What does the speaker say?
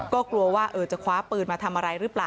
ก็กลัวว่าจะคว้าปืนมาทำอะไรหรือเปล่า